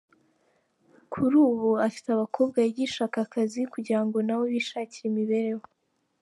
kuri ubu afite abakobwa yigisha aka kazi kugira ngo nabo bishakire imibereho.